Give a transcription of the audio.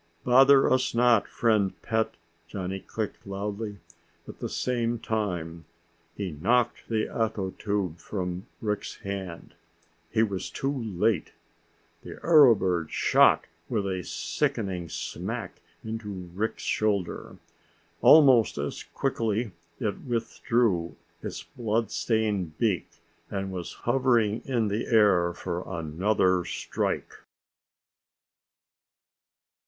"Bother us not, friend pet," Johnny clicked loudly. At the same time he knocked the ato tube from Rick's hand. He was too late. The arrow bird shot with a sickening smack into Rick's shoulder. Almost as quickly it withdrew its blood stained beak and was hovering in the air for another strike.